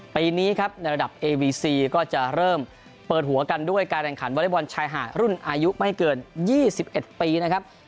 ปีนี้ครับในระดับเอวีซีก็จะเริ่มเปิดหัวกันด้วยการแข่งขันวอเล็กบอลชายหาดรุ่นอายุไม่เกิน๒๑ปีนะครับ